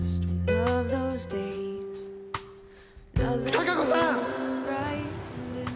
貴子さん！